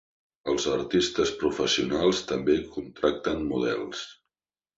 Els artistes professionals també contracten models.